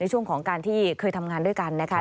ช่วงของการที่เคยทำงานด้วยกันนะคะ